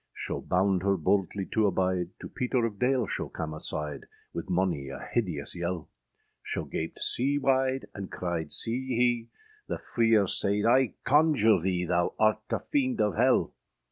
Scho bound her boldly to abide, To Peter of Dale scho cam aside, Wyth mony a hideous yelle; Scho gaped sea wide and cryed sea hee, The freer sayd, âI conjure thee, Thou art a fiend of helle!